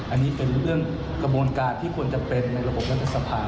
อันนี้เป็นเรื่องกระบวนการที่ควรจะเป็นในระบบรัฐสภา